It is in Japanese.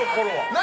何？